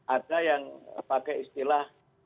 ada yang pakai istilah